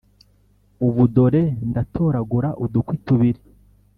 Ubu dore ndatoragura udukwi tubiri